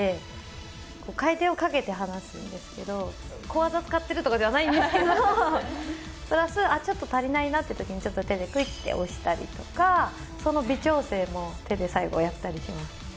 小技使ってるとかではないんですけど、プラスちょっと足りないなってときに手でくいって押したりとかその微調整も手で最後やったりします。